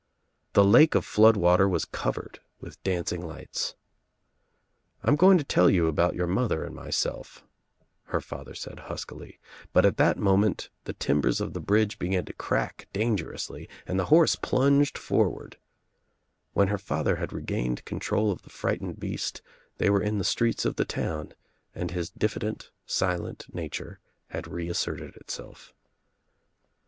The lake of flood water was covered with dancing lights. "I'm going to tell Sou about your mother and myself," her father said luskily, but at that moment the timbers of the bridge legan to crack dangerously and the horse plunged for 90 THE TRIUMPH OF THE EGG ward. When her father had regained control of the frightened beast they were in the streets of the town and his diffident silent nature had reasserted itself.